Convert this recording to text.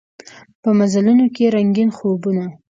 په مزلونوکې رنګین خوبونه